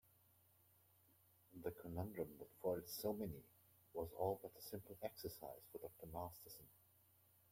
The conundrum that foiled so many was all but a simple exercise for Dr. Masterson.